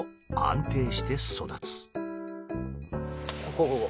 ここここ。